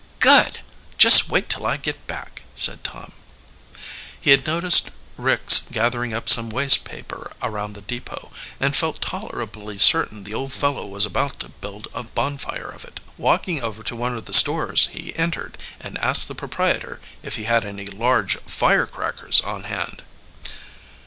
"Good! Just wait till I get back," said Tom. He had noticed Ricks gathering up some waste paper around the depot, and felt tolerably certain the old fellow was about to build a bonfire of it. Walking over to one of the stores, he entered, and asked the proprietor if he had any large firecrackers on hand.